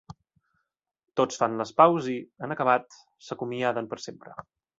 Tots fan les paus i, en acabat, s'acomiaden per sempre.